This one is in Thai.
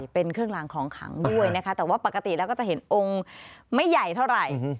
เป็นเครื่องลางของขังด้วยนะคะแต่ว่าปกติแล้วก็จะเห็นองค์ไม่ใหญ่เท่าไหร่